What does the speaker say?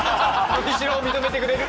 伸びしろを認めてくれる？